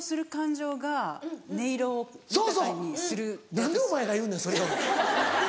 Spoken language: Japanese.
何でお前が言うねんそれを。